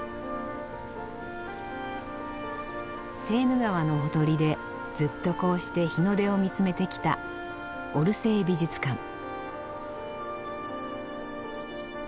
セーヌ川のほとりでずっとこうして日の出を見つめてきたオルセー美術館。